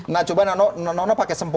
nah coba nono pakai sempur